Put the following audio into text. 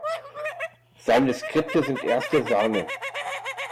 Seine Skripte sind erste Sahne.